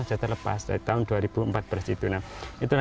sudah terlepas dari tahun dua ribu empat belas itulah